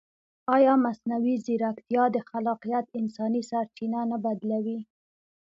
ایا مصنوعي ځیرکتیا د خلاقیت انساني سرچینه نه بدلوي؟